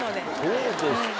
そうですか。